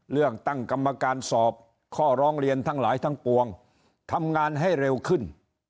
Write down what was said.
ตั้งกรรมการสอบข้อร้องเรียนทั้งหลายทั้งปวงทำงานให้เร็วขึ้น